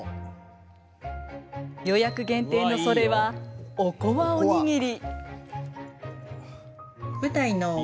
予約限定のそれはおこわおにぎり。